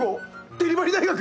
デリバリ大学？